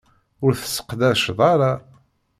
Ur t-sseqdaceɣ ara.